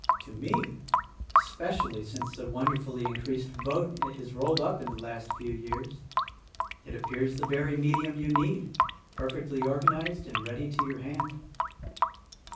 To me, especially since the wonderfully increased vote it has rolled up in the last few years, it appears the very medium you need, perfectly organized and ready to your hand."